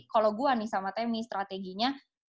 kalo gue nih sama temi strateginya